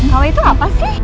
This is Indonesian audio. kawe itu apa sih